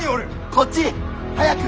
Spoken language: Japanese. こっち！早く！